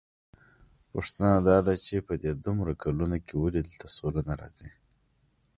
پوښتنه داده چې په دې دومره کلونو کې ولې دلته سوله نه راځي؟